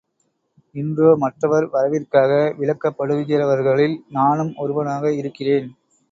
இன்றோ, மற்றவர் வரவிற்காக விலக்கப்படுகிறவர்களில் நானும் ஒருவனாக இருக்கிறேன்.